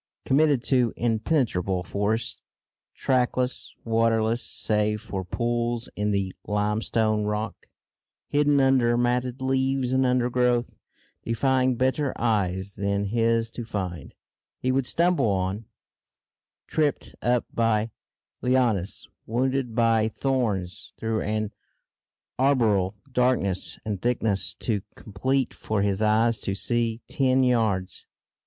Committed to impenetrable forests, trackless, waterless save for pools in the limestone rock, hidden under matted leaves and undergrowth, defying better eyes than his to find, he would stumble on, tripped up by lianas, wounded by thorns, through an arboreal darkness and thickness too complete for his eyes to see ten yards.